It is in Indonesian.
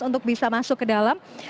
untuk bisa masuk ke dalam